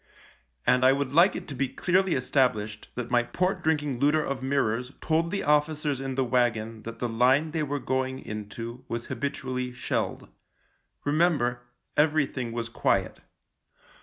And I would like it to be clearly established that my port drinking looter of mirrors told the officers in the wagon that the line they were going into was habitually shelled. Remember, everything was quiet.